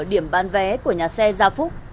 điểm bán vé của nhà xe gia phúc